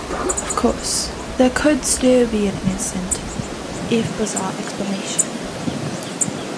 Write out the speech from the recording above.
Of course, there could still be an innocent if bizarre explanation.